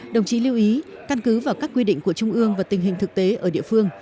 đồng chí lưu ý căn cứ vào các quy định của trung ương và tình hình thực tế ở địa phương